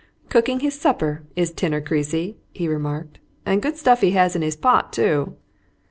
"Cooking his supper, is Tinner Creasy!" he remarked. "And good stuff he has in his pot, too!"